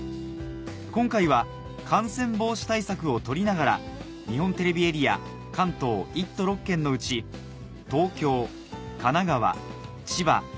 今回は感染防止対策を取りながら日本テレビエリア関東１都６県のうち東京神奈川千葉